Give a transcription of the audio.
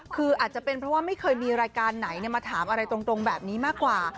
คืออาจจะเป็นเพราะว่าไม่เคยมีรายการไหนมาถามอะไรตรงแบบนี้มากกว่า